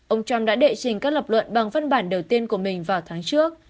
ông trump đã đệ trình các lập luận bằng văn bản đầu tiên của mình vào tháng trước